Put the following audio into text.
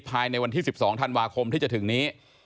ภายในวันที่๑๒ธันวาคมที่จะถึงนี้